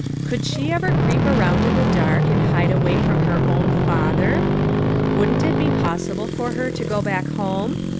Could she ever creep around in the dark and hide away from her own father? Wouldn't it be possible for her to go back home